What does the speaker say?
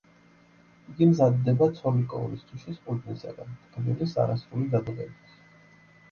იგი მზადდება ცოლიკოურის ჯიშის ყურძნისაგან, ტკბილის არასრული დადუღებით.